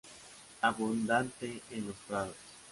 Abundante en los prados.